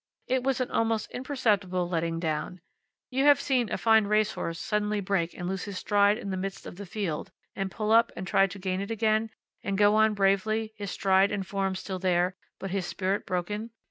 It was an almost imperceptible letting down. You have seen a fine race horse suddenly break and lose his stride in the midst of the field, and pull up and try to gain it again, and go bravely on, his stride and form still there, but his spirit broken?